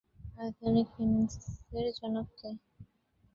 আধুনিক ফিন্যান্সের জনক কে?